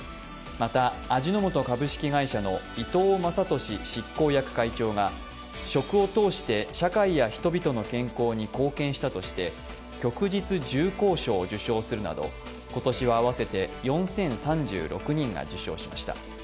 また、味の素株式会社の伊藤雅俊執行役会長が食を通して社会や人々の健康に貢献したとして旭日重光章を受章するなど今年は合わせて４０３６人が受章しました。